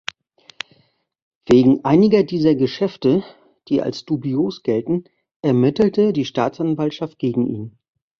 Wegen einiger dieser Geschäfte, die als dubios gelten, ermittelte die Staatsanwaltschaft gegen ihn.